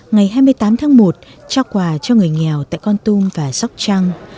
ngày hai mươi tám tháng một trao quà cho người nghèo tại con tum và sóc trăng